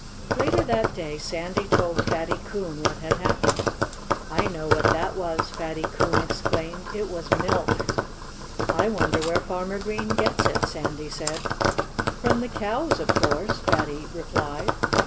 Later that day Sandy told Fatty Coon what had happened. "I know what that was," Fatty Coon exclaimed. "It was milk." "I wonder where Farmer Green gets it," Sandy said. "From the cows, of course!" Fatty replied.